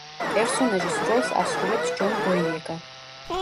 პერსონაჟის როლს ასრულებს ჯონ ბოიეგა.